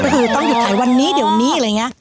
ก็คือต้องหยุดขายวันนี้เดี๋ยวนี้อะไรอย่างนี้